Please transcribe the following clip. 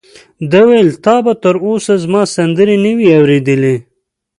ده وویل: تا به تر اوسه زما سندرې نه وي اورېدلې؟